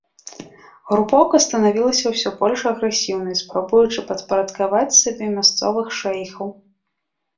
Групоўка станавілася ўсё больш агрэсіўнай, спрабуючы падпарадкаваць сабе мясцовых шэйхаў.